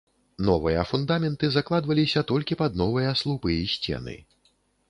Новыя фундаменты закладваліся толькі пад новыя слупы і сцены.